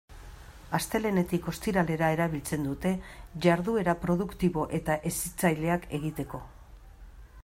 Astelehenetik ostiralera erabiltzen dute, jarduera produktibo eta hezitzaileak egiteko.